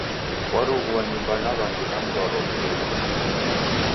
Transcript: Warughua nyumba ya w'andu na mndwaro ndeuko.